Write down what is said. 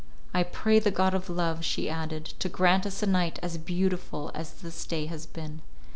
"I pray the god of love," she added, "to grant us a night as beautiful as this day has been."